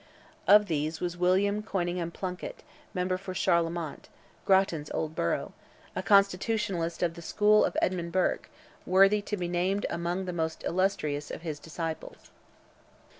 Of these was William Conyngham Plunkett, member for Charlemont, Grattan's old borough, a constitutionalist of the school of Edmund Burke, worthy to be named among the most illustrious of his disciples.